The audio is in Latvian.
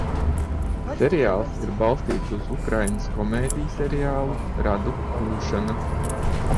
"Seriāls ir balstīts uz Ukrainas komēdijseriālu "Radu būšana"."